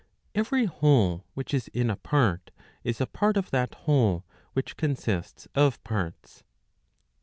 Every whole which is in a part, is a part of that whole which consists of parts.